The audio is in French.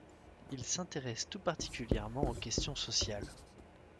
Il s'intéresse tout particulièrement aux questions sociales.